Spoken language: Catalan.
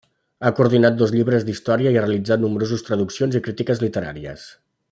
Ha coordinat dos llibres d'història i ha realitzat nombroses traduccions i crítiques literàries.